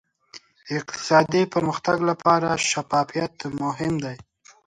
اقتصادي پرمختګ لپاره شفافیت مهم دی.